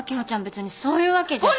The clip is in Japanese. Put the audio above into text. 別にそういうわけじゃ。